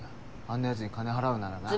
あんなやつに金払うならな。